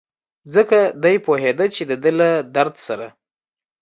ځکه دی پوهېده چې دده له درد سره.